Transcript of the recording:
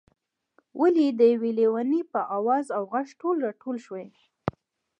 ولې د یو لېوني په آواز او غږ ټول راټول شوئ.